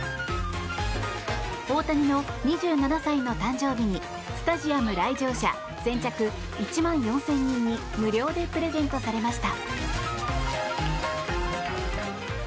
大谷の２７歳の誕生日にスタジアム来場者先着１万４０００人に無料でプレゼントされました。